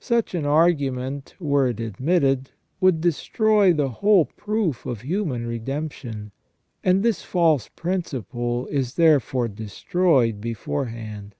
Such an argument, were it admitted, would destroy the whole proof of human redemption, and this false principle is therefore destroyed beforehand.